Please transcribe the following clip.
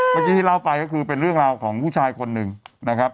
เมื่อกี้ที่เล่าไปก็คือเป็นเรื่องราวของผู้ชายคนหนึ่งนะครับ